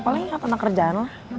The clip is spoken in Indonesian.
palingan ada kerjaan lah